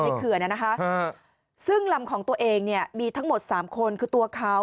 เขื่อนนะคะซึ่งลำของตัวเองเนี่ยมีทั้งหมดสามคนคือตัวเขา